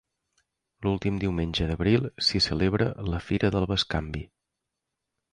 L'últim diumenge d'abril s'hi celebra la Fira del Bescanvi.